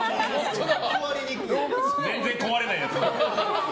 全然壊れないやつ。